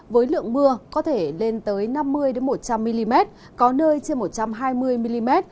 với lượng mưa có thể lên tới năm mươi một trăm linh mm có nơi trên một trăm hai mươi mm